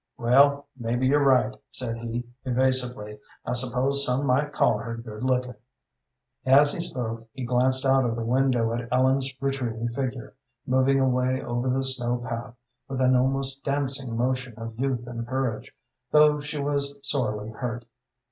"Well, maybe you're right," said he, evasively. "I suppose some might call her good looking." As he spoke he glanced out of the window at Ellen's retreating figure, moving away over the snow path with an almost dancing motion of youth and courage, though she was sorely hurt.